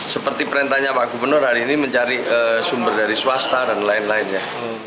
seperti perintahnya pak gubernur hari ini mencari sumber dari swasta dan lain lainnya